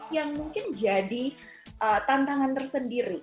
yang mungkin jadi tantangan tersendiri